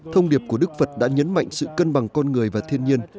thông điệp của đức phật đã nhấn mạnh sự cân bằng con người và thiên nhiên